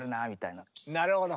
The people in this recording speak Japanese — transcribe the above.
なるほど。